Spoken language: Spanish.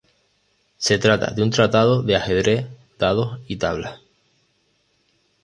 Se trata de un tratado de ajedrez, dados y tablas.